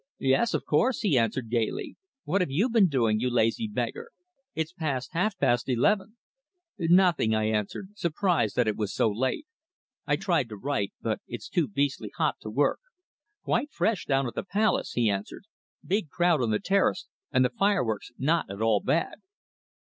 "Yes, of course," he answered gaily. "What have you been doing, you lazy beggar? It's past half past eleven." "Nothing," I answered, surprised that it was so late. "I tried to write, but it's too beastly hot to work." "Quite fresh down at the Palace," he answered. "Big crowd on the Terrace, and the fireworks not at all bad."